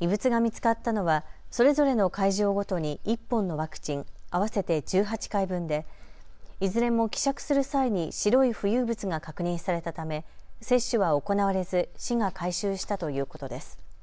異物が見つかったのはそれぞれの会場ごとに１本のワクチン合わせて１８回分でいずれも希釈する際に白い浮遊物が確認されたため接種は行われず市が回収したということです。